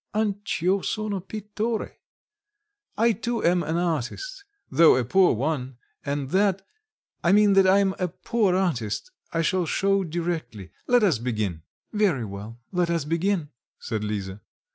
Anch 'io sono pittore. I too am an artist, though a poor one and that I mean that I'm a poor artist, I shall show directly. Let us begin." "Very well, let us begin," said Lisa.